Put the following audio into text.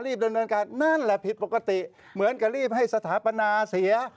ดำเนินการนั่นแหละผิดปกติเหมือนกับรีบให้สถาปนาเสีย